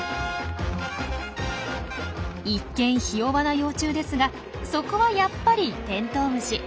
一見ひ弱な幼虫ですがそこはやっぱりテントウムシ。